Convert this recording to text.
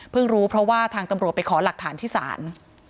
รู้เพราะว่าทางตำรวจไปขอหลักฐานที่ศาล